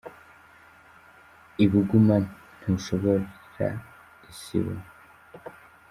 Ibuguma ntishobora isibo.